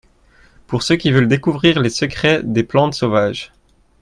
Pour ceux qui veulent découvrir les secrets des plantes sauvages